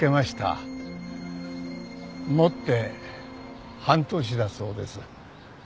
もって半年だそうです。